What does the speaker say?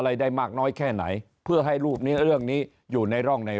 อะไรได้มากน้อยแค่ไหนเพื่อให้รูปนี้เรื่องนี้อยู่ในร่องใน